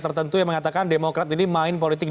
tertentu yang mengatakan demokrat ini main politik